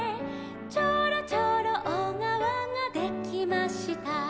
「ちょろちょろおがわができました」